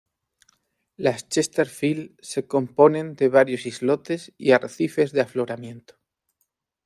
Las Chesterfield se componen de varios islotes y arrecifes de afloramiento.